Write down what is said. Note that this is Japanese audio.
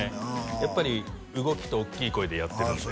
やっぱり動きとおっきい声でやってるんであ